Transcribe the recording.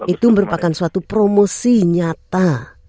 itu merupakan suatu promosi nyata